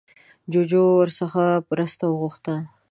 جوجو ورڅخه مرسته وغوښته